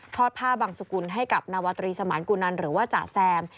ผ้าบังสุกุลให้กับนาวตรีสมานกุนันหรือว่าจ๋าแซม